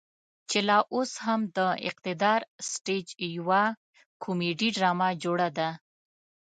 چې لا اوس هم د اقتدار سټيج يوه کميډي ډرامه جوړه ده.